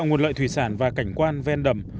các nguyên môi trường thủy sản và cảnh quan ven đầm